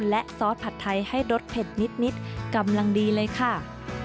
และซอสผัดไทยให้รสเผ็ดนิดกำลังดีเลยค่ะ